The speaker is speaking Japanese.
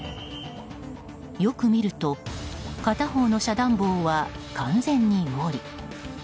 よく見ると片方の遮断棒は完全に下り。